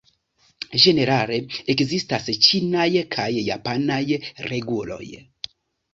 Ĝenerale ekzistas ĉinaj kaj japanaj reguloj.